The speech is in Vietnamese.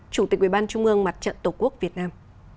chủ tịch ubnd mặt trận tổ quốc việt nam